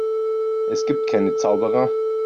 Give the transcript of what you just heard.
Es gibt keine Zauberer.